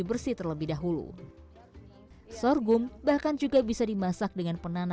berapa kali gitu diaduknya